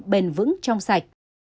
bền vững trong sạch